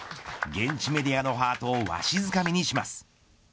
現地メディアのハートをわしづかみします。